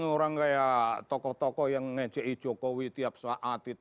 orang kayak tokoh tokoh yang ngejek ijo kowi tiap saat